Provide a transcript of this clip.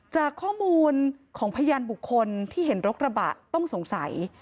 จากข้อมูลของพยานบุคคลที่เห็นรถกระบะต้องสงสัย